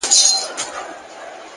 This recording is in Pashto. د ذهن سکون غوره تصمیمونه راوړي!.